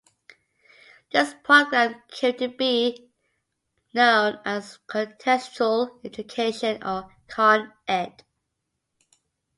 This program came to be known as Contextual Education, or ConEd.